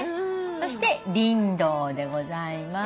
そしてリンドウでございます。